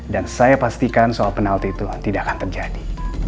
dan saya pastikan soal penalti itu tidak akan terjadi